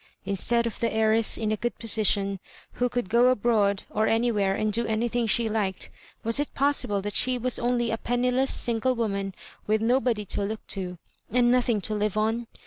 Instead of the heir ess, in a good position, who oould go abroad or anywhere and do anything she liked, was it pos^ sible that she was only a penniless single woman with nobody to look to and nothing to live on?